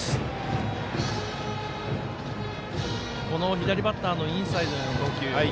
左バッターのインサイドへの投球。